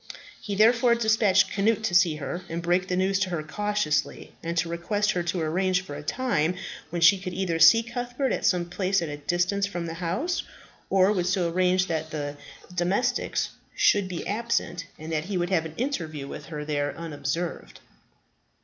He therefore despatched Cnut to see her, and break the news to her cautiously, and to request her to arrange for a time when she would either see Cuthbert at some place at a distance from the house, or would so arrange that the domestics should be absent and that he would have an interview with her there unobserved.